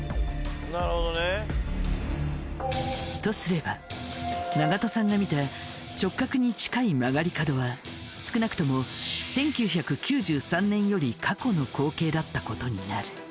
なるほどね。とすれば長門さんが見た直角に近い曲がり角は少なくとも１９９３年より過去の光景だったことになる。